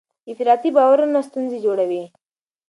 افراطي باورونه ستونزې جوړوي.